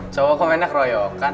cowok mau enak royokan